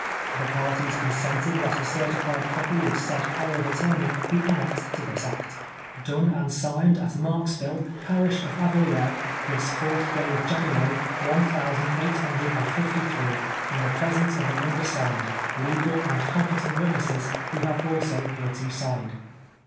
Tlic parties consenting that a certified copy of said power of attorney be annexed to tliis act. 3.S0 TWELVE YEARS A SLAVE. Done and signod at IMarksville, parish of Avoyellos, this fourth day of January, one thousand eiglit hundred and filly three, in the presence of the undersigned, legal and competent witnesses, who have also hereto signed.